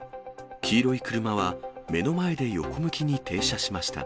黄色い車は、目の前で横向きに停車しました。